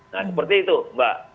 nah seperti itu mbak